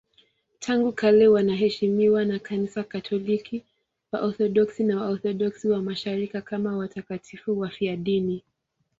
Tangu kale wanaheshimiwa na Kanisa Katoliki, Waorthodoksi na Waorthodoksi wa Mashariki kama watakatifu wafiadini.